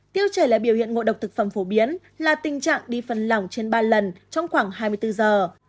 tiêu chảy là biểu hiện ngộ độc thực phẩm phổ biến là tình trạng đi phần lỏng trên ba lần trong khoảng hai mươi bốn giờ